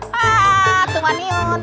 haa tuhan yun